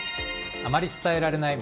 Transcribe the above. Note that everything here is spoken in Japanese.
あまり伝えられない